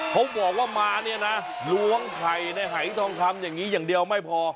เขาบอกว่ามาเนี่ยนะล้วงไข่ในหายทองคำอย่างนี้อย่างเดียวไม่พอ